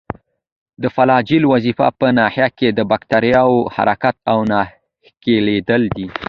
د فلاجیل وظیفه په ناحیه کې د باکتریاوو حرکت او نښلیدل دي.